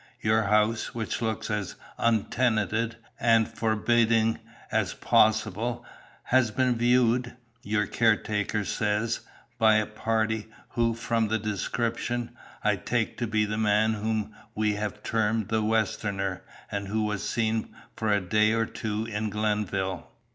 Your house, which looks as untenanted and forbidding as possible, has been viewed, your caretaker says, by a 'party' who, from the description, I take to be the man whom we have termed the 'westerner,' and who was seen for a day or two in Glenville.